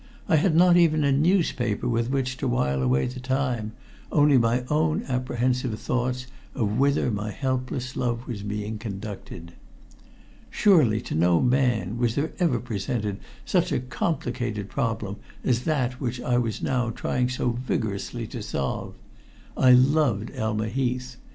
I had not even a newspaper with which to while away the time, only my own apprehensive thoughts of whither my helpless love was being conducted. Surely to no man was there ever presented such a complicated problem as that which I was now trying so vigorously to solve. I loved Elma Heath.